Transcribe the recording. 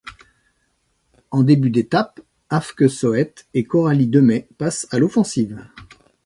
En début d'étape, Aafke Soet et Coralie Demay passe à l'offensive.